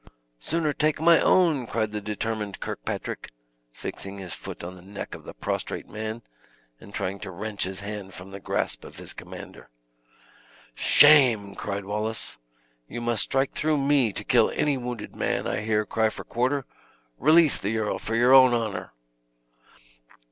"Sooner take my own!" cried the determined Kirkpatrick, fixing his foot on the neck of the prostrate man, and trying to wrench his hand from the grasp of his commander. "Shame!" cried Wallace; "you must strike through me to kill any wounded man I hear cry for quarter! Release the earl, for your own honor."